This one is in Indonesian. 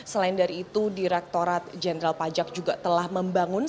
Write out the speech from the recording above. selain dari itu direktorat jenderal pajak juga telah membangun